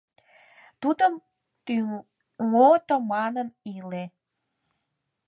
Тудым Тӱҥото маныт ыле.